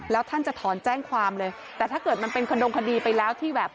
แล้วท่านจะถอนแจ้งความเลยแต่ถ้าเกิดมันเป็นขดงคดีไปแล้วที่แบบ